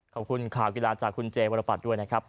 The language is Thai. ขอบคุณข่าวกีฬาจากคุณเจวรปัตรด้วยนะครับ